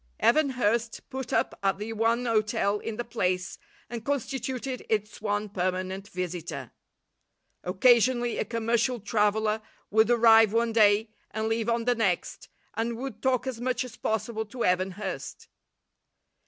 Evan Hurst put up at the one hotel in the place and constituted its one permanent visitor. Occasionally a commercial traveller would arrive one day and leave on the next, and would talk as much as possible to Evan Hurst.